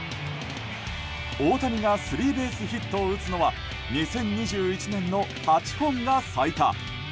大谷がスリーベースヒットを打つのは２０２１年の８本が最多。